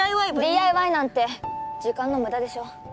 ＤＩＹなんて時間の無駄でしょ。